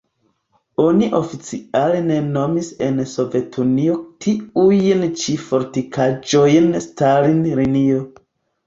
Oni oficiale ne nomis en Sovetunio tiujn ĉi fortikaĵojn Stalin-linio.